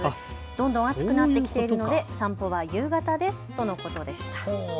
どんどん暑くなってきているので散歩は夕方ですとのことでした。